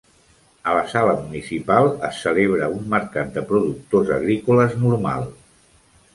A la sala municipal es celebra un mercat de productors agrícoles normal.